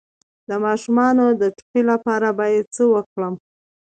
د ماشوم د ټوخي لپاره باید څه وکړم؟